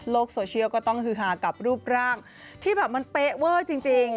โซเชียลก็ต้องฮือฮากับรูปร่างที่แบบมันเป๊ะเวอร์จริง